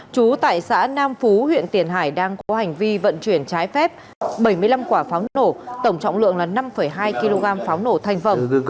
trú tại xã nam phú huyện tiền hải đang có hành vi vận chuyển trái phép bảy mươi năm quả pháo nổ tổng trọng lượng là năm hai kg pháo nổ thành phẩm